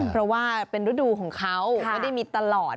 เพราะว่าเป็นฤดูของเขาไม่ได้มีตลอด